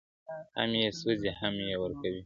o هم ئې سوځي، هم ئې ورکوي٫